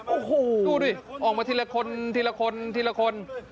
โอ้โฮดูดิออกมาทีละคน